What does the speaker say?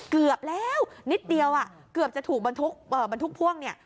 เกือบแล้วนิดเดียวอ่ะเกือบจะถูกบรรทุกบรรทุกพ่วงเนี่ย